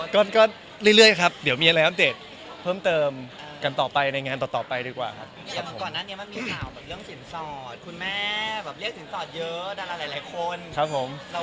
ก็เรื่อยครับเดี๋ยวมีอะไรสอบเตรียมกันต่อกันในงานต่อไปดีกว่าครับ